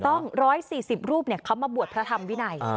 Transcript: ๑๔๐รูปเขามาบวชพระธรรมวินัย